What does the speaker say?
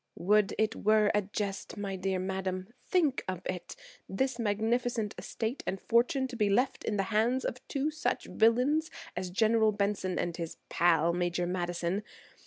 "Would it were a jest, my dear madam. Think of it! This magnificent estate and fortune to be left in the hands of two such villains as General Benson and his pal, Major Madison.